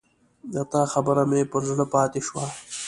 د تا خبره مې پر زړه پاته شوه